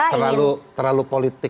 terlalu terlalu politik